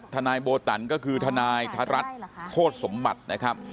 ทนายโบตันก็คือทนายธรัฐโคตรสมบัตินะครับ